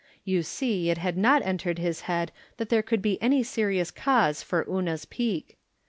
You see it had not entered his head that there could be any serious cause for Una's pique.